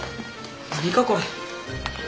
何かこれ。